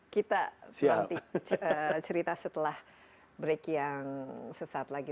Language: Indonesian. kita nanti cerita setelah break yang sesaat lagi